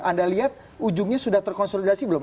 anda lihat ujungnya sudah terkonsolidasi belum